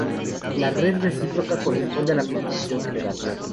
La red recíproca corresponde a la construcción general.